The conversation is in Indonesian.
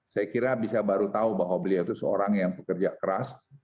saya kira bisa baru tahu bahwa beliau itu seorang yang bekerja keras